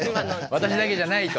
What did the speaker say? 「私だけじゃない」と。